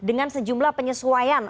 oke dengan sejumlah penyesuaian